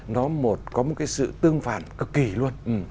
nó có một sự tương phản cực kỳ luôn